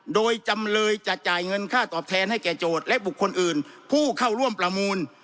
โดยจำเลยจะจ่ายเงินค่าตอบแทนให้แก่โจทย์และบุคคลอื่นผู้เข้าร่วมประมูล